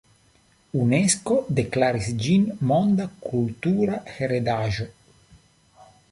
Unesko deklaris ĝin Monda Kultura Heredaĵo.